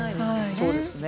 そうですね。